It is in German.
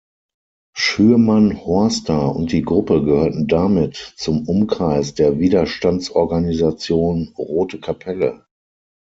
Schürmann-Horster und die Gruppe gehörten damit zum Umkreis der Widerstandsorganisation Rote Kapelle.